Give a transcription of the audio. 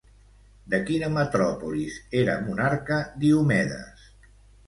De quina metròpolis era monarca, Diomedes?